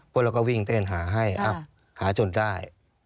เราก็วิ่งเต้นหาให้หาจนได้